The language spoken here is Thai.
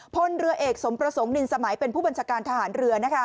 พลเรือเอกสมประสงค์นินสมัยเป็นผู้บัญชาการทหารเรือ